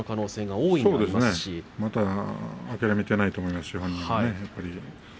本人もまだ諦めていないと思いますよ。